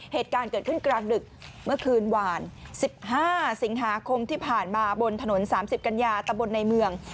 เหตุการณ์เกิดขึ้นกลางดึกเมื่อคืนหวาน๑๕สิงหาคมที่ผ่านมาบนถนน๓๐กันยาตะบนในเมือง